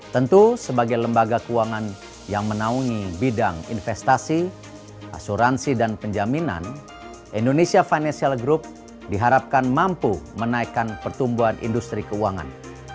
tentu sebagai lembaga keuangan yang menaungi bidang investasi asuransi dan penjaminan indonesia financial group diharapkan mampu menaikkan pertumbuhan industri keuangan